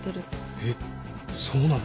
えっそうなの？